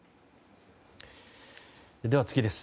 では次です。